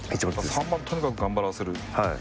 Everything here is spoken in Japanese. ３番とにかく頑張らせる。